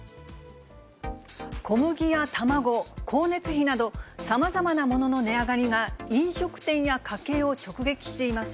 小麦や卵、光熱費など、さまざまな物の値上がりが飲食店や家計を直撃しています。